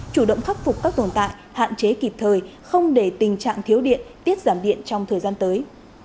chủ động khắc phục các tồn tại hạn chế kịp thời không để tình trạng thiếu điện tiết giảm điện trong thời gian tới